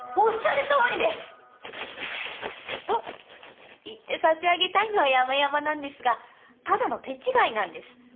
おっしゃるとおりです！と言って差し上げたいのはやまやまなんですがただの手違いなんです。